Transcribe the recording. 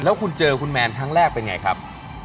แล้วคุณเจอคุณแมนครั้งแรกเป็นไงครับ